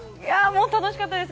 楽しかったです